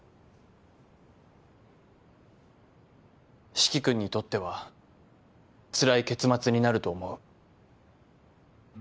四鬼君にとってはつらい結末になると思う。